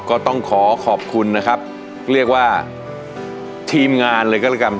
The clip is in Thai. ก็ต้องขอขอบคุณนะครับเรียกว่าทีมงานเลยก็แล้วกัน